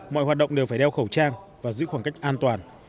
mọi hoạt động đều phải đeo khẩu trang và giữ khoảng cách an toàn